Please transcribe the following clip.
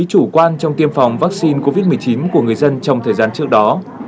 chủ quan trong tiêm phòng vaccine covid một mươi chín của người dân trong thời gian trước đó